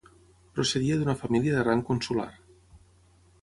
Procedia d'una família de rang consular.